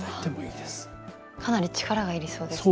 かなり力が要りそうですね。